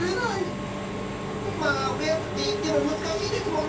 まあ増やすっていっても難しいですもんね。